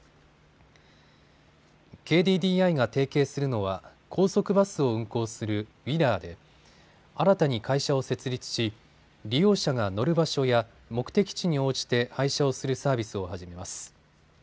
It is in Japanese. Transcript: ＫＤＤＩが提携するのは高速バスを運行するＷＩＬＬＥＲで新たに会社を設立し利用者が乗る場所や目的地に応じて配車をするサービスを始めます。